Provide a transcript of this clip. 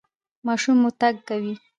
ماشوم مو تګ کوي؟